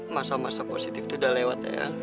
masa masa positif itu udah lewat ya